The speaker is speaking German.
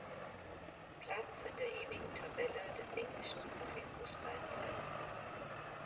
Platz in der Ewigen Tabelle des englischen Profifußballs ein.